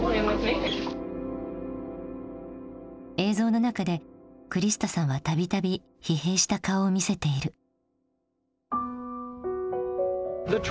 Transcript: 映像の中でクリスタさんは度々疲弊した顔を見せている。